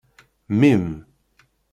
Mmi-m.